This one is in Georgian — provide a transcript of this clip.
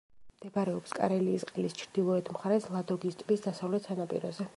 მდებარეობს კარელიის ყელის ჩრდილოეთ მხარეს, ლადოგის ტბის დასავლეთ სანაპიროზე.